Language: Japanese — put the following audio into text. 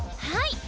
はい！